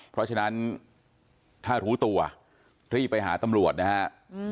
เพราะฉะนั้นถ้ารู้ตัวรีบไปหาตำรวจนะฮะ